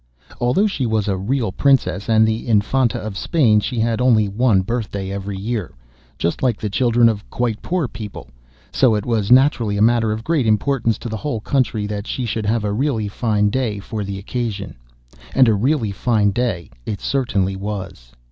Although she was a real Princess and the Infanta of Spain, she had only one birthday every year, just like the children of quite poor people, so it was naturally a matter of great importance to the whole country that she should have a really fine day for the occasion. And a really fine day it certainly was.